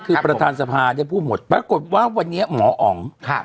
คือประธานสภาได้พูดหมดปรากฏว่าวันนี้หมออ๋องครับ